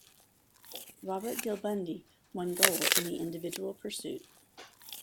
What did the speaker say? Robert Dill-Bundi won gold in the individual pursuit.